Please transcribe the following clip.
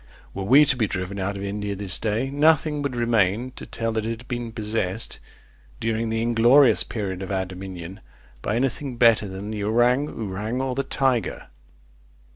Were we to be driven out of India this day, nothing would remain, to tell that It had been possessed, during the inglorious period of our dominion, by any thing better than the ourang ourang or the tiger.